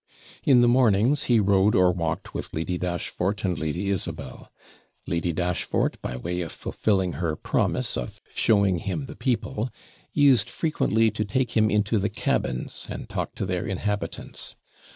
In the mornings, he rode or walked with Lady Dashfort and Lady Isabel: Lady Dashfort, by way of fulfilling her promise of showing him the people, used frequently to take him into the cabins, and talk to their inhabitants.